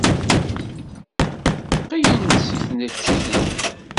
Qqlen-d seg tneččit-nni.